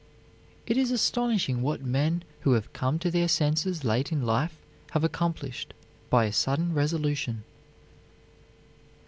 It is astonishing what men who have come to their senses late in life have accomplished by a sudden resolution.